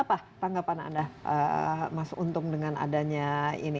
apa tanggapan anda mas untung dengan adanya ini